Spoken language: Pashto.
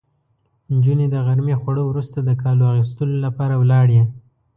نجونې د غرمې خوړو وروسته د کالو اغوستو لپاره ولاړې.